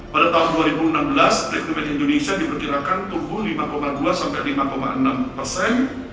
pada tahun dua ribu enam belas deplemen indonesia diperkirakan tumbuh lima dua sampai lima enam persen